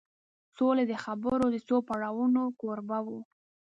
سولې د خبرو د څو پړاوونو کوربه و